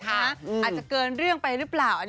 อาจจะเกินเรื่องไปหรือเปล่า